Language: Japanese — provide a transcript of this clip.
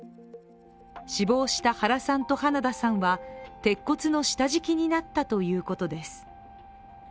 死亡した原さんと花田さんは鉄骨の下敷きになったということです。